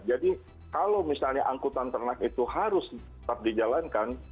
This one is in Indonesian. jadi kalau misalnya angkutan ternak itu harus tetap dijalankan